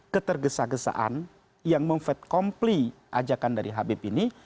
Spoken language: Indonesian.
ketergesa gesaan yang memfat kompli ajakan dari habib ini